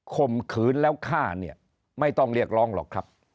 ข่มขืนแล้วฆ่าเนี่ยไม่ต้องเรียกร้องหรอกครับ